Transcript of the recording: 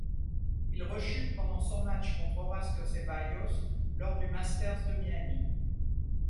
Il rechute pendant son match contre Horacio Zeballos lors du Masters de Miami.